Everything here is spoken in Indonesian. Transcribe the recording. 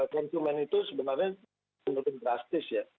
konsumen itu sebenarnya menurut saya drastis ya